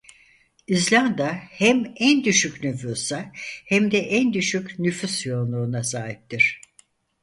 İzlanda hem en düşük nüfusa hem de en düşük nüfus yoğunluğuna sahiptir.